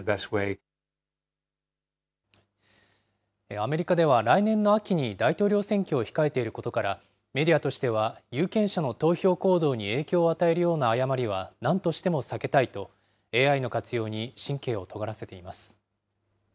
アメリカでは来年の秋に大統領選挙を控えていることからメディアとしては有権者の投票行動に影響を与えるような誤りはなんとしても避けたいと、ＡＩの活用に神経をとがらせています。